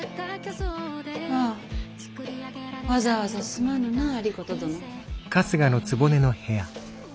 ああわざわざすまぬな有功殿。